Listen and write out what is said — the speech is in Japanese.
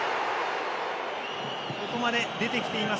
ここまで出てきています